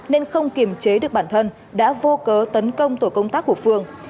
nên không kiềm chế được bản thân đã vô cớ tấn công tổ công tác của phường